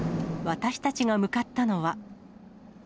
私たちが向かったのは。